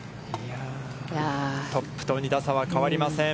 トップと２打差は変わりません。